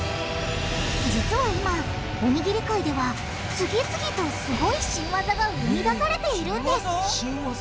実は今おにぎり界では次々とすごい新技が生み出されているんです！